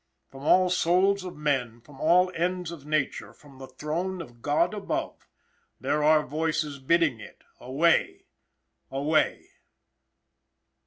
From all souls of men, from all ends of Nature, from the Throne of God above, there are voices bidding it: Away! Away!